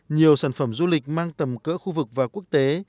nhiều sản phẩm du lịch mang tầm cỡ khu vực và quốc tế